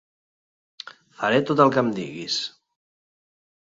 Faré tot el que em diguis.